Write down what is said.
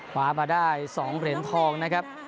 มาได้๒เหรียญทองนะครับ